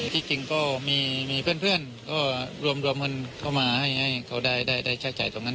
ที่จริงก็มีเพื่อนก็รวมเงินเข้ามาให้เขาได้ใช้จ่ายตรงนั้น